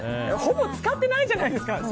ほぼ使ってないじゃないですか。